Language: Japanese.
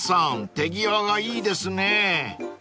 手際がいいですね］